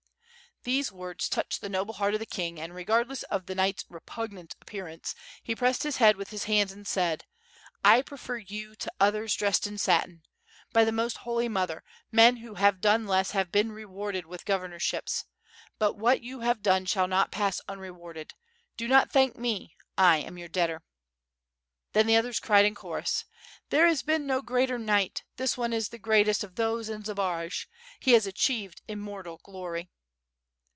... These words touched the noble heart of the king, and re gardless of the knight's repugnant appearance, he pressed his head with his hands and said: "I prefer you to others, dressed in satin. By the Most Holy Mother, men who have done less have been rewarded with governorships. But what you have done shall not paas unrewarded. Do not thank me, I am your debtor." Then the others cried in chorus: "There has been no greater knight, this one is the greatest of those in Zbaraj. He has achieved immortal glory.''